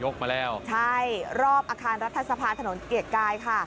มาแล้วใช่รอบอาคารรัฐสภาถนนเกียรติกายค่ะ